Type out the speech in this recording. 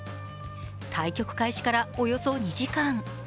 対局開始からおよそ２時間。